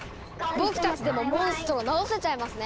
僕たちでもモンストロ治せちゃいますね。